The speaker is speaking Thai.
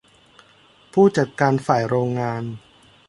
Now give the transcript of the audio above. ผู้จัดการฝ่ายโรงงาน